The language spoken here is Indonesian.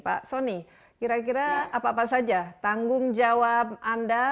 pak soni kira kira apa apa saja tanggung jawab anda